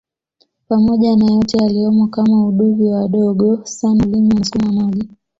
pamoja na yote yaliyomo kama uduvi wadogo sana ulimi unasukuma maji